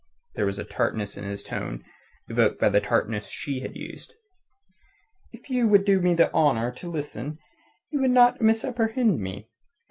There was a tartness in his tone evoked by the tartness she had used. "If you would do me the honour to listen, you would not misapprehend me.